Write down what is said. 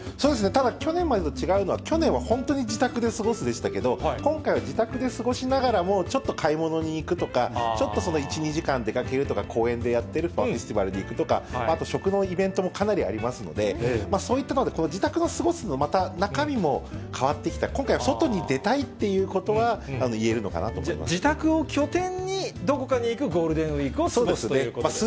ただ去年までと違うのは、去年は本当に自宅で過ごすでしたけど、今回は自宅で過ごしながらも、ちょっと買い物に行くとか、ちょっと１、２時間出かけるとか、公園でやってるイベントに行くとか、あとかなり食のイベントもかなりありますので、そういったので自宅で過ごすのもまた中身も変わってきた、今回は外に出たいってこ自宅を拠点に、どこかに行くゴールデンウィークを過ごすということですね。